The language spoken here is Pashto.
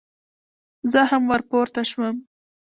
زه هم ور پورته شوم.